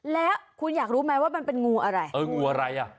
แล้วคุณอยากรู้ไหมว่ามันเป็นงูอะไรเอองูอะไรอ่ะ